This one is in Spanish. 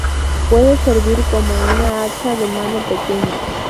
Puede servir como un hacha de mano pequeño.